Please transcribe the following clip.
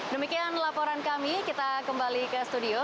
demikian laporan kami kita kembali ke studio